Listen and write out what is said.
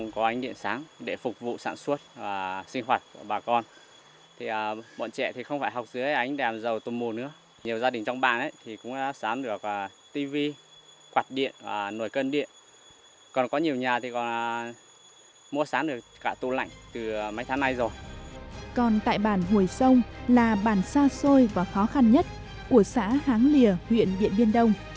còn tại bản hồi sông là bản xa xôi và khó khăn nhất của xã háng lìa huyện điện biên đông